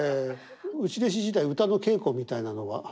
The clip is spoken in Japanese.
内弟子時代歌の稽古みたいなのは？